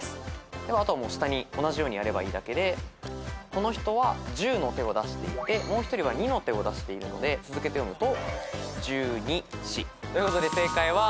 あとは同じようにやればいいだけでこの人は１０の手を出していてもう１人は２の手を出しているので続けて読むと。